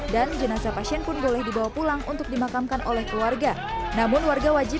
dan jenazah pasien pun boleh dibawa pulang untuk dimakamkan oleh keluarga namun warga wajib